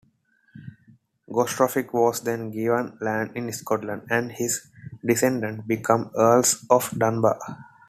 Gospatric was then given lands in Scotland, and his descendants became earls of Dunbar.